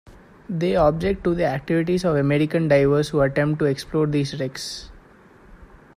They object to the activities of American divers who attempt to explore these wrecks.